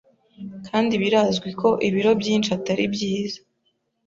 kandi birazwi ko ibiro byinshi Atari byiza